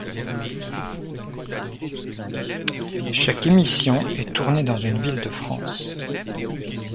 Chaque émission est tournée dans une ville de France.